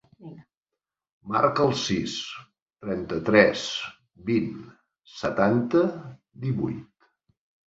Marca el sis, trenta-tres, vint, setanta, divuit.